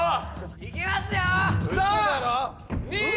いきますよ！